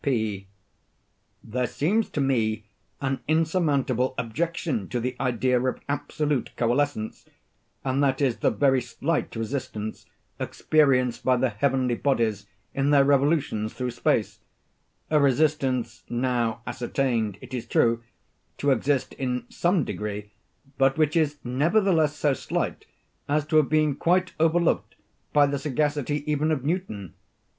P. There seems to me an insurmountable objection to the idea of absolute coalescence;—and that is the very slight resistance experienced by the heavenly bodies in their revolutions through space—a resistance now ascertained, it is true, to exist in some degree, but which is, nevertheless, so slight as to have been quite overlooked by the sagacity even of Newton.